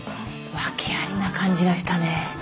訳ありな感じがしたね。